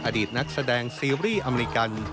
อดีตนักแสดงซีรีส์อเมริกัน